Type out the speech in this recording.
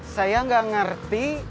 saya gak ngerti